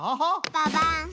ババン！